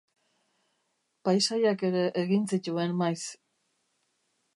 Paisaiak ere egin zituen maiz.